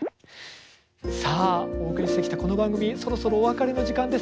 さあお送りしてきたこの番組そろそろお別れの時間です。